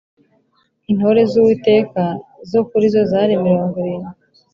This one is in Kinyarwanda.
intore z Uwiteka zo kuri zo zari mirongo irindwi